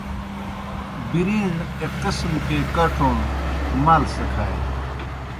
بِریݨ ایْک قسم کے کَڇُن، مال سہ کھانیْ۔